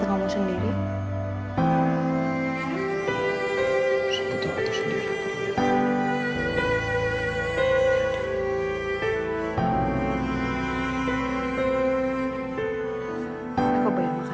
aku harus selalu berhati hati untuk orang lain